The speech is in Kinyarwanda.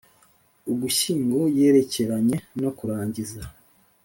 Ugushyingo yerekeranye no kurangiza